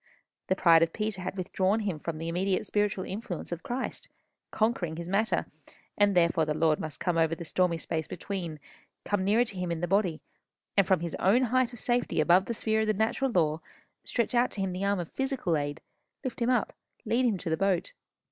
The pride of Peter had withdrawn him from the immediate spiritual influence of Christ, conquering his matter; and therefore the Lord must come over the stormy space between, come nearer to him in the body, and from his own height of safety above the sphere of the natural law, stretch out to him the arm of physical aid, lift him up, lead him to the boat.